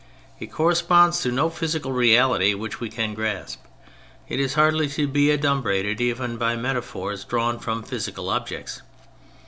It corresponds to no physical reality which we can grasp, it is hardly to be adum brated even by metaphors drawn from physical objects.